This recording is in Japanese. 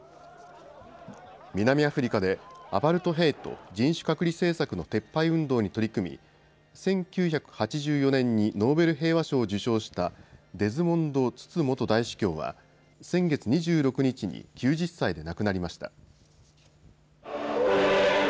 南アフリカでアパルトヘイト＝人種隔離政策の撤廃運動に取り組み１９８４年にノーベル平和賞を受賞したデズモンド・ツツ元大主教は先月２６日に９０歳で亡くなりました。